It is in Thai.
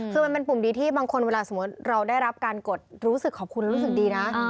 คือมันเป็นปุ่มดีที่บางคนเวลาสมมุติเราได้รับการกดรู้สึกขอบคุณรู้สึกดีนะ